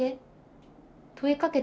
問いかけ？